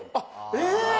え！